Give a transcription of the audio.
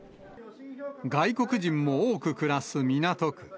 外国人も多く暮らす港区。